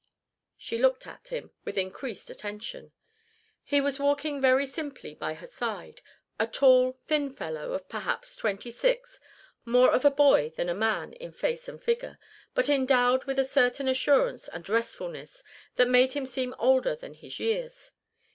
She looked at him, with increased attention. He was walking very simply by her side, a tall, thin fellow of perhaps twenty six, more of a boy than a man in face and figure, but endowed with a certain assurance and restfulness that made him seem older than his years.